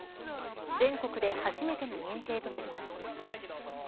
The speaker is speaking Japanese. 全国で初めての認定となります。